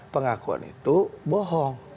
pengakuan itu bohong